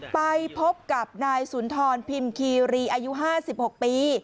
ไปพบกับนายสุนทรพิมพ์คีรีอายุ๕๖ปี